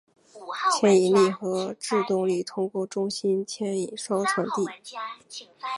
牵引力和制动力通过中心牵引销传递。